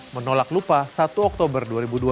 menolak lupa satu oktober dua ribu dua puluh